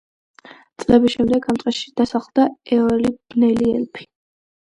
წლების შემდეგ ამ ტყეში დასახლდა ეოლი, ბნელი ელფი.